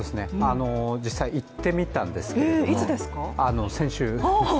実際、行ってみたんですけれども先週。